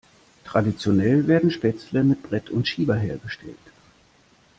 Traditionell werden Spätzle mit Brett und Schieber hergestellt.